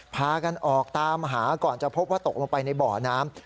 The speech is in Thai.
พากันออกตามหาก่อนจะพบว่าตกลงไปในบ่อน้ำ